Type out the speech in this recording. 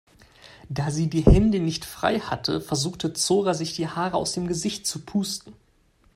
Da sie die Hände nicht frei hatte, versuchte Zora sich die Haare aus dem Gesicht zu pusten.